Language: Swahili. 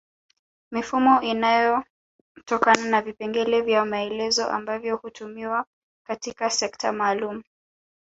Mifumo inayotokana na vipengele vya maelezo ambavyo hutumiwa katika sekta maalum